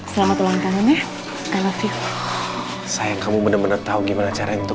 selamat ulang tahunnya telatif sayang kamu bener bener tahu gimana cara untuk